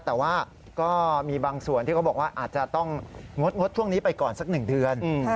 แต่ว่าก็มีบางส่วนที่เขาบอกว่าอาจจะต้องงดช่วงนี้ไปก่อนสัก๑เดือน